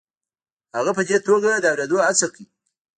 هغه په دې توګه د اورېدو هڅه کوي.